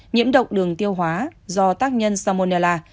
nhiễm độc đường tiêu hóa do tác nhân salmonella